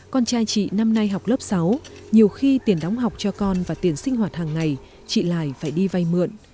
con trai chị năm nay học lớp sáu nhiều khi tiền đóng học cho con và tiền sinh hoạt hàng ngày chị lài phải đi vay mượn